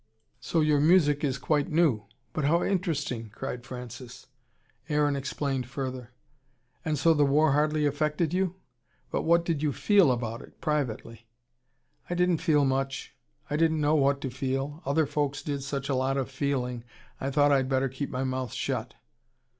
So your music is quite new! But how interesting!" cried Francis. Aaron explained further. "And so the war hardly affected you? But what did you FEEL about it, privately?" "I didn't feel much. I didn't know what to feel. Other folks did such a lot of feeling, I thought I'd better keep my mouth shut."